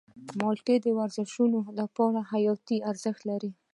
مالټې د ورزشکارانو لپاره حیاتي ارزښت لري.